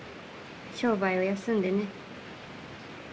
商売を休んでね。